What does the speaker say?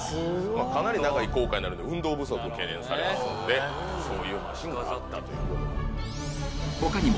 かなり長い航海になるんで運動不足懸念されますんでそういうマシンがあったという。